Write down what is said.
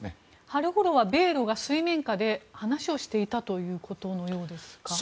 春ごろは米ロが水面下で話をしていたようですか。